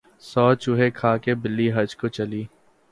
سو چوہے کھا کے بلی حج کو چلی